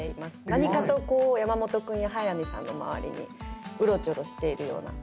何かと山本君や速見さんの周りにうろちょろしているような。